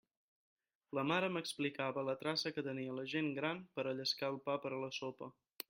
La mare m'explicava la traça que tenia la gent gran per a llescar el pa per a la sopa.